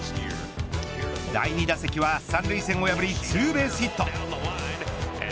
第２打席は三塁線を破りツーベースヒット。